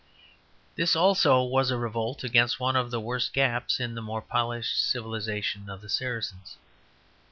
This also was a revolt against one of the worst gaps in the more polished civilization of the Saracens.